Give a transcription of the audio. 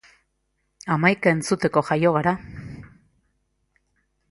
Hamaika entzuteko jaio gara!